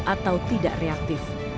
atau tidak reaktif